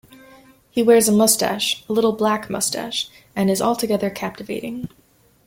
He wears a moustache, a little black moustache, and is altogether captivating.